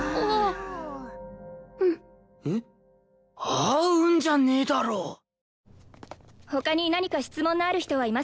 「ああうん」じゃねえだろ他に何か質問のある人はいますか？